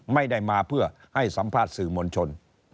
ไม่ได้มาเพื่อให้สัมภาษณ์สื่อมวลชน